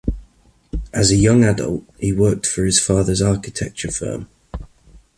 As a young adult, he worked for his father's architecture firm.